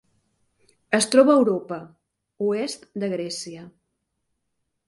Es troba a Europa: oest de Grècia.